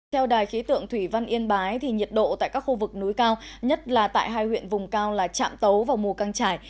theo đài khí tượng thủy văn yên bái nhiệt độ tại các khu vực núi cao nhất là tại hai huyện vùng cao là trạm tấu và mù căng trải